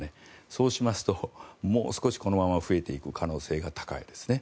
そうしますと、もう少しこのまま増えていく可能性が高いですね。